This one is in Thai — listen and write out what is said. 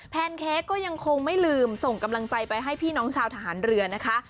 แนนเค้กก็ยังคงไม่ลืมส่งกำลังใจไปให้พี่น้องชาวทหารเรือนะคะ